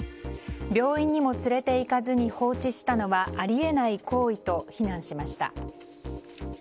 病院にも連れていかずに放置したのはあり得ない行為と非難しました。